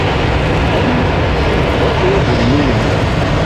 Merrḥen, zzin-d akk i ugelmim-nni.